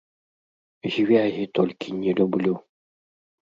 Звягі толькі не люблю.